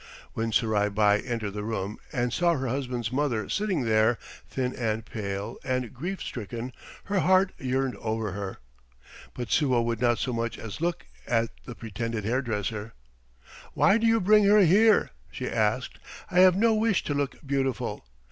When Surai Bai entered the room and saw her husband's mother sitting there thin and pale and grief stricken, her heart yearned over her. But Suo would not so much as look at the pretended hairdresser. "Why do you bring her here?" she asked. "I have no wish to look beautiful.